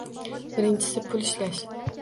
Birinchisi – pul ishlash.